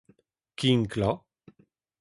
kinklañ